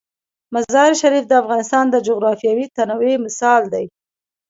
مزارشریف د افغانستان د جغرافیوي تنوع مثال دی.